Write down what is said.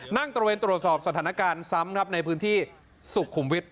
ตระเวนตรวจสอบสถานการณ์ซ้ำครับในพื้นที่สุขุมวิทย